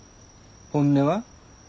本音は？